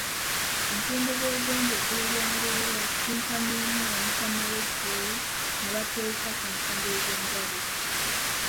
Omukulembeze w'eggwanga eggulo lya leero asisinkanyeemu Omukama w'e Tooro, n'ebateesa ku nsonga ez'enjawulo.